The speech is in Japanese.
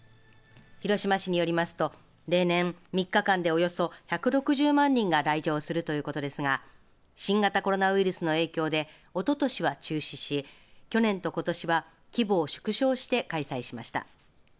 広島市によりますと例年３日間で、およそ１６０万人が来場するということですが新型コロナウイルスの影響でおととしは中止し去年と、ことしは規模を縮小して開催しました。